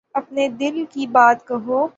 اپنے دل کی بات کہو۔